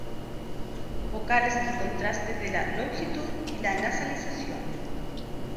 Vocales del contraste de la longitud y la nasalización.